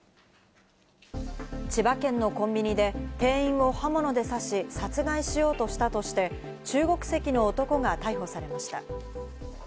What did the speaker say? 千葉県のコンビニで店員を刃物で刺し殺害しようとしたとして中国籍の男が逮捕されました。